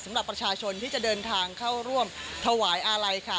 สำหรับประชาชนที่จะเดินทางเข้าร่วมถวายอาลัยค่ะ